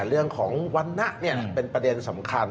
เรื่องของวันนะเป็นประเด็นสำคัญ